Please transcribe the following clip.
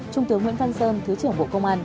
trung tướng nguyễn văn sơn thứ trưởng bộ công an